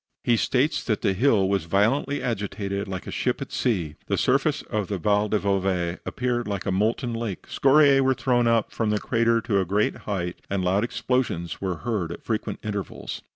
He states that the hill was violently agitated, like a ship at sea. The surface of the Val del Bove appeared like a molten lake; scoriae were thrown up from the craters to a great height, and loud explosions were heard at frequent intervals.